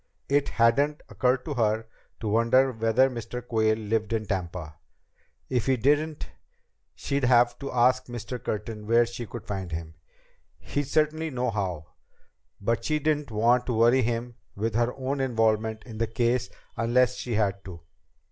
It hadn't occurred to her to wonder whether Mr. Quayle lived in Tampa. If he didn't, she'd have to ask Mr. Curtin where she could find him. He'd certainly know. But she didn't want to worry him with her own involvement in the case unless she had to.